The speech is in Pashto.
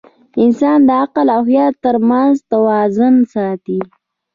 انسان د عقل او خیال تر منځ توازن ساتي.